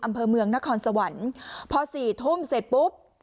อำเภอเมืองนครสวรรค์พอสี่ทุ่มเสร็จปุ๊บ